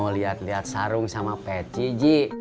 mau liat liat sarung sama peci ji